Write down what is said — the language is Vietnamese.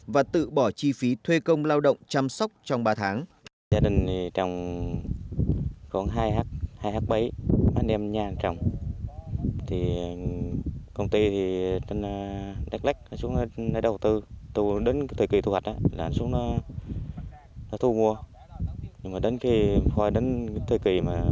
và tự bỏ chi phí thuê công lao động chăm sóc